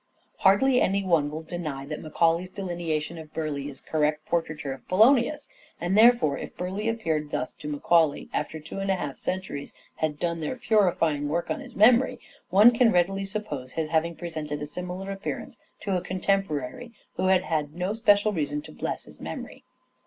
Hardly any one will deny that Macaulay's delineation of Burleigh is correct portraiture of Polonius ; and, therefore, if Burleigh appeared thus to Macaulay after two and a half centuries had done their purifying work on his memory, one can readily suppose his having presented a similar appearance to a con temporary who had had no special reason to bless his memory.